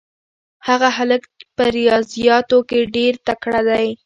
هغه هلک په ریاضیاتو کې ډېر تکړه دی.